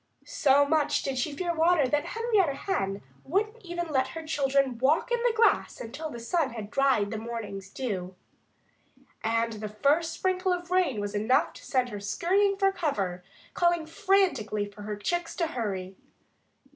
So much did she fear water that Henrietta Hen wouldn't even let her children walk in the grass until the sun had dried the morning's dew. And the first sprinkle of rain was enough to send her scurrying for cover, calling frantically for her chicks to hurry.